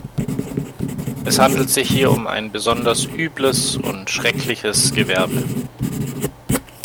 Es handelt sich hier um ein besonders übles und schreckliches Gewerbe.